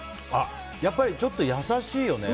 やっぱり、ちょっと優しいよね。